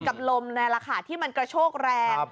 กับลมนี่แหละค่ะที่มันกระโชกแรง